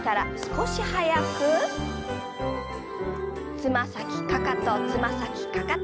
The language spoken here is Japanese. つま先かかとつま先かかと。